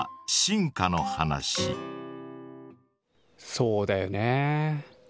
そうだよね。